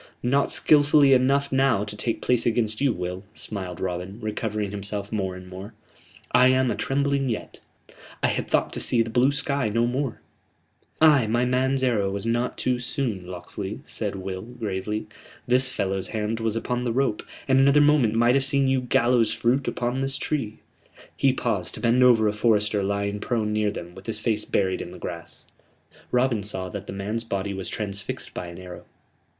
"Not skilfully enough now to take place against you, Will," smiled Robin, recovering himself more and more. "I am atrembling yet. I had thought to see the blue sky no more " "Ay, my man's arrow was not too soon, Locksley," said Will, gravely. "This fellow's hand was upon the rope, and another moment might have seen you gallows fruit upon this tree." He paused to bend over a forester lying prone near them, with his face buried in the grass. Robin saw that the man's body was transfixed by an arrow.